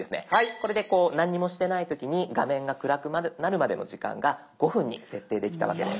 これで何もしてない時に画面が暗くなるまでの時間が５分に設定できたわけです。